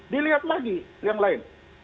dilihat lagi yang lain